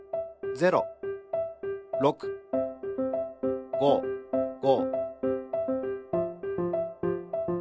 ０６５５。